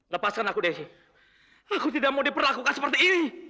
lepaskan aku desi aku tidak mau diperlakukan seperti ini